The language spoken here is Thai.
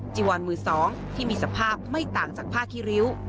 จีวอนมือ๒ที่มีสภาพไม่ต่างจากผ้าขี้ริ้ว